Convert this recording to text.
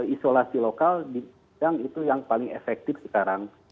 isolasi lokal di bidang itu yang paling efektif sekarang